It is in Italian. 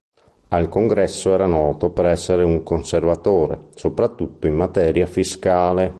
Al Congresso era noto per essere un conservatore, soprattutto in materia fiscale.